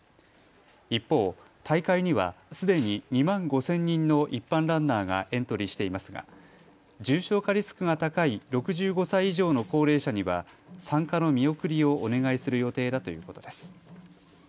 一方、大会にはすでに２万５０００人の一般ランナーがエントリーしていますが重症化リスクが高い６５歳以上の高齢者には参加の見送りをお願いする予定だということです。